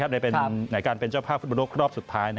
ในการเป็นเจ้าภาพฟุตบอลโลกรอบสุดท้าย